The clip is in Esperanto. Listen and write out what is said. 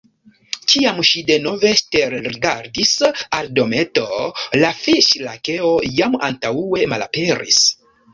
Kiam ŝi denove ŝtelrigardis al la dometo, la Fiŝ-Lakeo jam antaŭe malaperis.